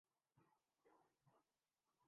تیری چشم الم نواز کی خیر